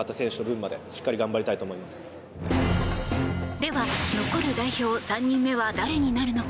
では残る代表３人目は誰になるのか。